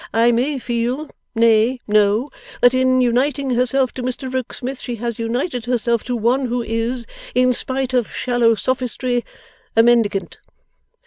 I may feel nay, know that in uniting herself to Mr Rokesmith she has united herself to one who is, in spite of shallow sophistry, a Mendicant.